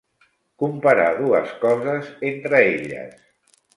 Comparar dues coses entre elles.